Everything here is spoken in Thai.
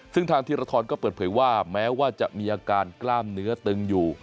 ซึ่งทางธีรทรก็เปิดเผยว่าแม้ว่าจะมีอาการกล้ามเนื้อตึงอยู่